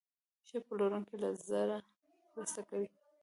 ښه پلورونکی له زړه مرسته کوي.